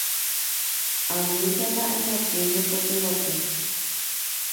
Aníntena emboty nde koty rokẽ.